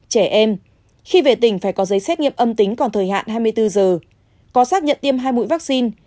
trẻ em khi về tỉnh phải có giấy xét nghiệm âm tính còn thời hạn hai mươi bốn giờ có xác nhận tiêm hai mũi vaccine